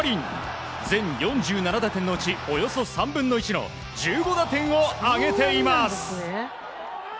全４７打点のうちおよそ３分の１の１５打点を挙げています。